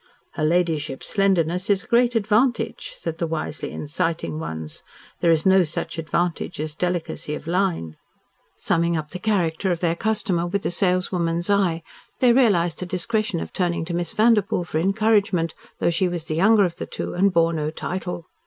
"Her ladyship's slenderness is a great advantage," said the wisely inciting ones. "There is no such advantage as delicacy of line." Summing up the character of their customer with the saleswoman's eye, they realised the discretion of turning to Miss Vanderpoel for encouragement, though she was the younger of the two, and bore no title.